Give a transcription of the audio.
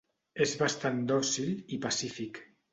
És bastant dòcil i pacífic.